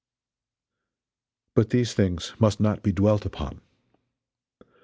But these things must not be dwelt upon.